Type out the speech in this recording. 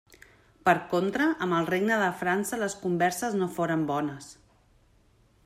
Per contra, amb el Regne de França les converses no foren bones.